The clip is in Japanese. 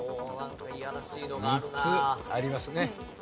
３つありますね。